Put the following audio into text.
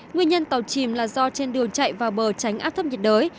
nguyên nhân tàu chìm là do trên đường chạy vào bờ tránh áp thấp nhiệt đới